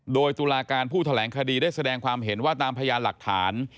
โดยตุลาการผู้แถลงคดีได้แสดงความเห็นว่าตามพยานหลักฐาน